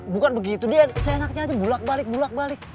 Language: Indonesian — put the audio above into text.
bukan begitu seenaknya aja bulak balik